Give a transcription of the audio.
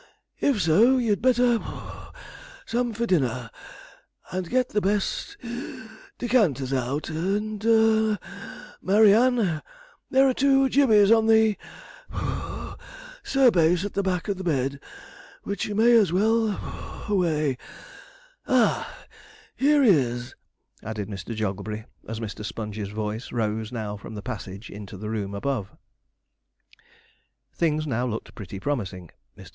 If so, you'd better (puff) some for dinner, and get the best (wheeze) decanters out; and, Murry Ann, there are two gibbeys on the (puff) surbase at the back of the bed, which you may as well (puff) away. Ah! here he is,' added Mr. Jogglebury, as Mr. Sponge's voice rose now from the passage into the room above. Things now looked pretty promising. Mr.